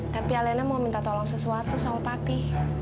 tapi alena mau minta tolong sesuatu soal papi